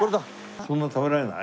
「そんなに食べられない？」